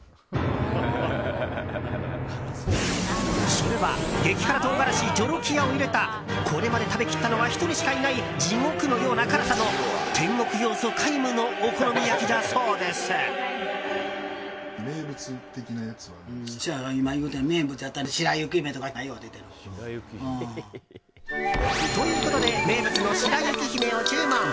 それは激辛唐辛子ジョロキアを入れたこれまで食べきったのは１人しかいない地獄のような辛さの天国要素皆無のお好み焼きだそうです。ということで名物の白雪姫を注文。